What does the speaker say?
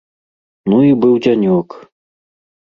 Ну і быў дзянёк!